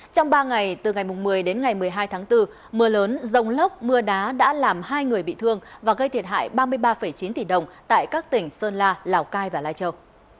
trong ba ngày từ ngày một mươi đến ngày một mươi hai tháng bốn mưa lớn rông lốc mưa đá đã làm hai người bị thương và gây thiệt hại ba mươi ba chín tỷ đồng tại các tỉnh sơn la lào cai và lai châu